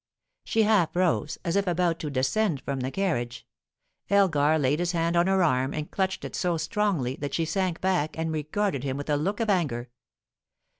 She half rose, as if about to descend from the carriage. Elgar laid his hand on her arm, and clutched it so strongly that she sank back and regarded him with a look of anger.